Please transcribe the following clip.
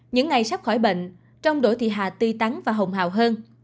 những ngày sắp khỏi bệnh trong đỗ thị hà tươi tắn và hồng hào hơn